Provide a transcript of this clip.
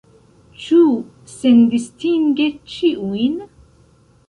Ĉu sendistinge ĉiujn?